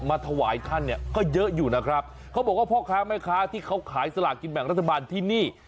มาถวายท่านเนี่ยก็เยอะอยู่นะครับเขาบอกว่าพ่อค้าแม่ค้าที่เขาขายสลากกินแบ่งรัฐบาลที่นี่